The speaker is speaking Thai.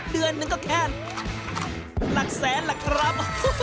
เดือนหนึ่งก็แค่หลักแสนแหละครับ